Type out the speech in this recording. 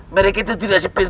mereka itu tidak sengaja